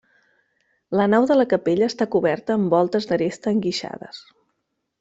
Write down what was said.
La nau de la capella està coberta amb voltes d'aresta enguixades.